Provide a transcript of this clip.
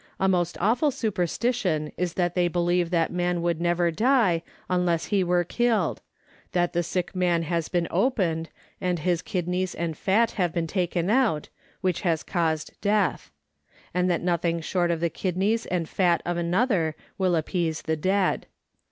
The most awful superstition is that they believe that man would never die unless he were killed ; that the sick man has been opened, and that his kidneys and fat have been taken out, which has caused death ; and that nothing short of the kidneys and fat of another will appease the dead.